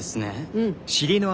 うん。